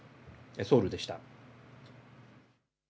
ソウルでした。